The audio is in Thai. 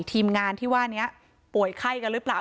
ทีมงานที่ว่านี้ป่วยไข้กันหรือเปล่า